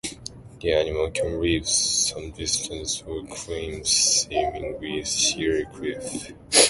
The animal can leap some distance or climb seemingly sheer cliffs.